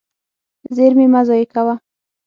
زیرمې مه ضایع کوه.